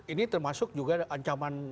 ini termasuk juga ancaman